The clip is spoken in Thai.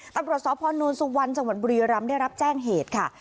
ตำรวจสพนสุวรรณจังหวัดบุรีรำได้รับแจ้งเหตุค่ะ